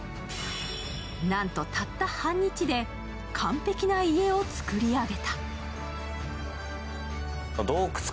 なんとたった半日で完璧な家をつくり上げた。